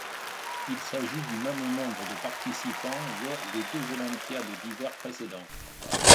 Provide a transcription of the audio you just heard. Il s'agit du même nombre de participants lors des deux olympiades d'hiver précédents.